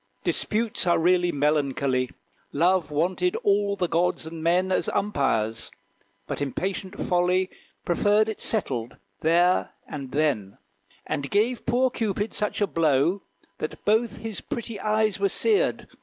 Disputes are really melancholy! Love wanted all the gods and men As umpires; but impatient Folly Preferred it settled there and then; And gave poor Cupid such a blow, That both his pretty eyes were seared.